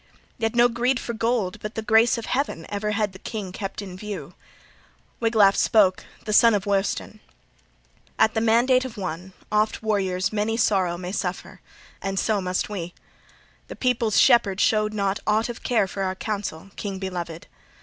Yet no greed for gold, but the grace of heaven, ever the king had kept in view. {40d} Wiglaf spake, the son of Weohstan: "At the mandate of one, oft warriors many sorrow must suffer; and so must we. The people's shepherd showed not aught of care for our counsel, king beloved!